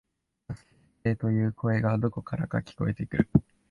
助けてくれ、という声がどこからか聞こえてくる